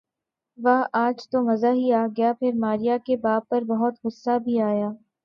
واہ آج تو مزہ ہی آ گیا پر ماریہ کے باپ پر بہت غصہ بھی آیا